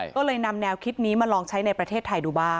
ก็เลยนำแนวคิดนี้มาลองใช้ในประเทศไทยดูบ้าง